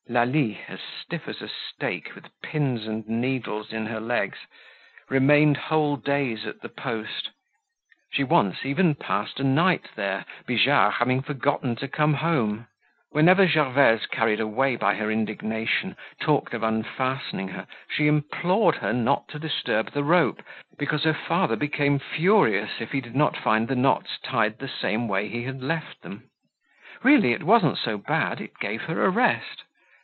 Lalie, as stiff as a stake, with pins and needles in her legs, remained whole days at the post. She once even passed a night there, Bijard having forgotten to come home. Whenever Gervaise, carried away by her indignation, talked of unfastening her, she implored her not to disturb the rope, because her father became furious if he did not find the knots tied the same way he had left them. Really, it wasn't so bad, it gave her a rest.